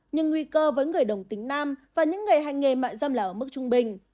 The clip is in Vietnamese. nhưng nguy cơ với người đồng tính nam và những người hành nghề mại dâm là ở mức trung bình